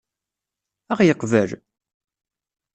Ad ɣ-yeqbel?